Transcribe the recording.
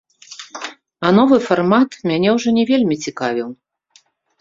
А новы фармат мяне ўжо не вельмі цікавіў.